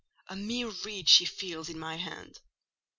A mere reed she feels in my hand!"